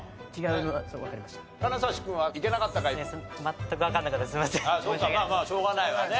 まあまあしょうがないわね。